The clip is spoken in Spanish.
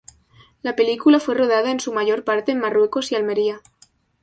La película fue rodada en su mayor parte en Marruecos y Almería.